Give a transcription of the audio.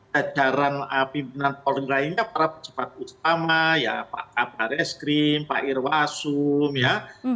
jadaran pimpinan polri lainnya para pejabat utama ya pak kappa reskrim pak irwasum ya